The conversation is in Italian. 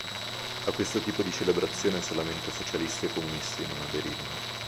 A questo tipo di celebrazione solamente socialisti e comunisti non aderirono.